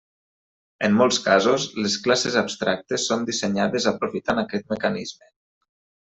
En molts casos, les classes abstractes són dissenyades aprofitant aquest mecanisme.